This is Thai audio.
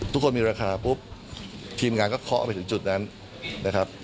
ทุกคนมีราคาปุ๊บทีมงานก็เคาะไปถึงจุดนั้นนะครับ